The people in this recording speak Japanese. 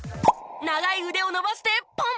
長い腕を伸ばしてポン！